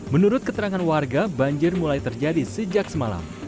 menurut keterangan warga banjir mulai terjadi sejak semalam